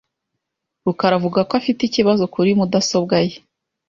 rukara avuga ko afite ikibazo kuri mudasobwa ye .